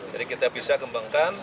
jadi kita bisa kembali